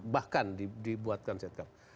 bahkan dibuatkan setkap